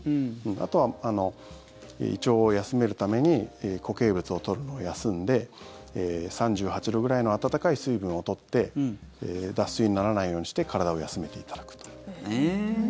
あとは胃腸を休めるために固形物を取るのを休んで３８度ぐらいの温かい水分を取って脱水にならないようにして体を休めていただくと。